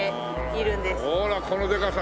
ほらこのでかさ。